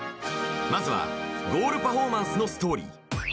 まずはゴールパフォーマンスのストーリー。